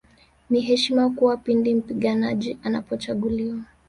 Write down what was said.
Ni heshima kubwa pindi mpiganaji anapochaguliwa